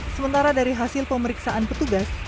sementara dari hasil pemeriksaan petugas